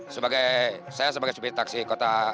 sebagai saya sebagai supir taksi kota